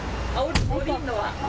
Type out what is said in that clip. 降りるのは？